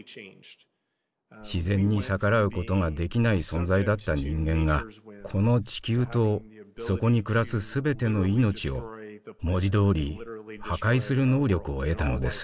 自然に逆らうことができない存在だった人間がこの地球とそこに暮らす全ての命を文字どおり破壊する能力を得たのです。